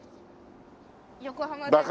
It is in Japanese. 横浜です。